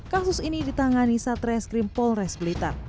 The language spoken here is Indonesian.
kasus ini ditangani satreskrim polres blitar